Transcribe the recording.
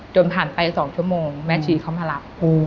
จนผ่านไป๒ชั่วโมงแม่ชีเขามารับ